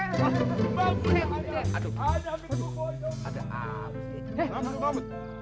masa kerja dari tadi